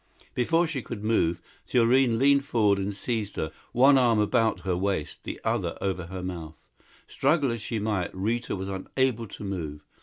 Before she could move, Thurene leaned forward and seized her one arm about her waist, the other over her mouth. Struggle as she might, Rita was unable to move.